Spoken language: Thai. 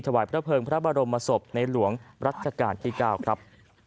ถวายพระเภิงพระบรมศพในหลวงรัชกาลที่๙ครับ